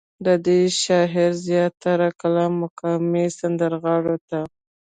ددې شاعر زيات تره کلام مقامي سندرغاړو ته